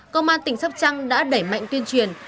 công an tỉnh sắp trăng đã đẩy mạnh tuyên truyền